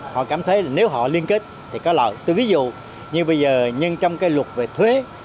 họ cảm thấy nếu họ liên kết thì có lợi tôi ví dụ như bây giờ nhưng trong cái luật về thuế